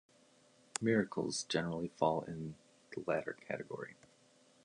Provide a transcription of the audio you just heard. Miracles generally fall in the latter category.